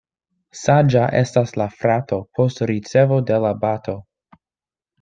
Saĝa estas la frato post ricevo de la bato.